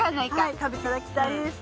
食べていただきたいです。